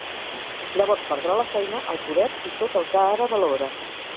Llavors perdrà la feina, el poder i tot el que ara valora.